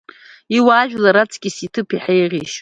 Иуаажәлар раҵкыс иҭыԥ еиҳа иеиӷьишьоит.